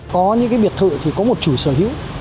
có những cái biệt thự thì có một chủ sở hữu